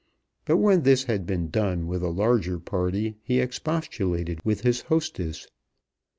But when this had been done with a larger party he expostulated with his hostess.